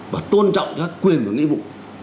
và tôn trọng các quyền và nghĩa vụ